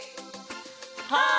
はい！